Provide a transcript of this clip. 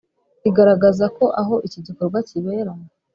igaragaza ko aho iki gikorwa kibera